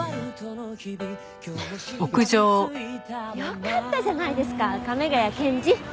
よかったじゃないですか亀ヶ谷検事！